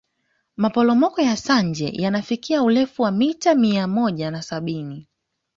maporomoko ya sanje yanafikia urefu wa mita mia moja na sabini